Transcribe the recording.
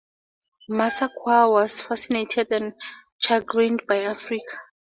Massaquoi was fascinated and chagrined by Africa.